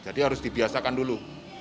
jadi harus dibiasakan dulu